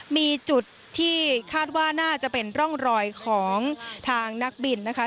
มีจุดที่คาดว่าน่าจะเป็นร่องรอยของทางนักบินนะคะ